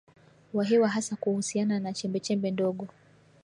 wa hewa hasa kuhusiana na chembechembe ndogo